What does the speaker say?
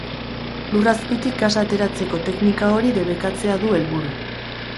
Lur azpitik gasa ateratzeko teknika hori debekatzea du helburu.